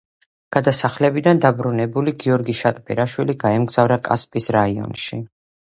გადასახლებიდან დაბრუნებული გიორგი შატბერაშვილი გაემგზავრა კასპის რაიონში.